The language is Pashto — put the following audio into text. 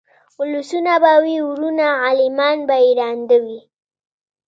اولسونه به وي وروڼه غلیمان به یې ړانده وي